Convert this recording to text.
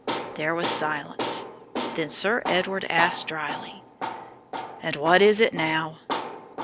There was silence. Then Sir Edward asked drily, "And what is it now?"